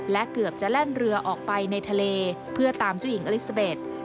และเกือบจะแล่นเรือออกไปในทะเลเพื่อตามเจ้าหญิงอลิซาเบส